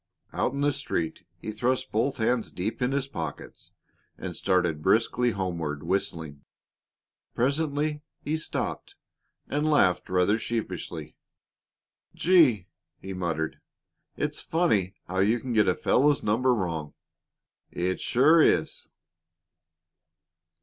Out in the street he thrust both hands deep in his pockets and started briskly homeward, whistling. Presently he stopped and laughed rather sheepishly. "Gee!" he muttered. "It's funny how you can get a fellow's number wrong it sure is!"